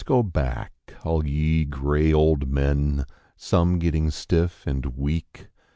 <^GO back, all ye gray old men, some getting stiff and weak.